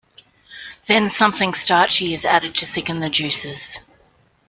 Then something starchy is added to thicken the juices.